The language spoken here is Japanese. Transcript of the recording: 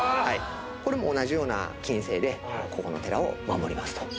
これも同じような禁制でここの寺を守りますと。